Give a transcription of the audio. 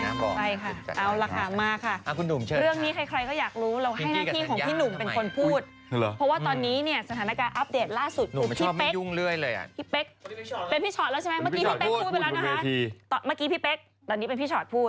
เรื่องนี้ใครก็อยากรู้เราให้หน้าที่ของพี่หนุ่มเป็นคนพูด